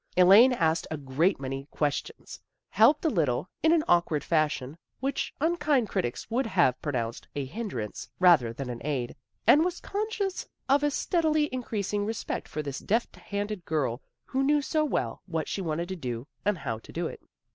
Elaine asked a great many questions, helped a little, in an awkward fash ion, which unkind critics would have pro nounced a hindrance rather than an aid, and was conscious of a steadily increasing respect for this deft handed girl who knew so well what she wanted to do and how to do it.